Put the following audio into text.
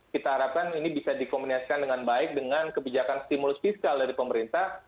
kita harapkan ini bisa dikomunikasikan dengan baik dengan kebijakan stimulus fiskal dari pemerintah